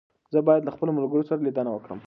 زه بايد له خپلو ملګرو سره ليدنه وکړم.